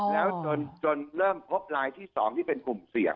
แล้วจนเริ่มพบลายที่๒ที่เป็นกลุ่มเสี่ยง